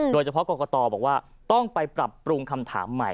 โดยเฉพาะกรกตบอกว่าต้องไปปรับปรุงคำถามใหม่